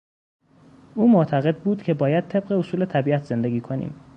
او معتقد بود که باید طبق اصول طبیعت زندگی کنیم.